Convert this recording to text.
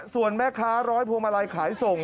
ส่วนแม่ค้าร้อยพวงมาลัยขายส่ง